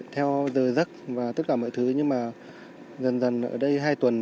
theo dơ dấc và tất cả mọi thứ nhưng mà dần dần ở đây hai tuần